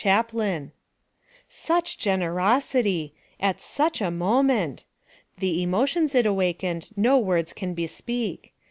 Chaplin. Such generosity! at such a moment! The emotions it awakened no words can bespeak!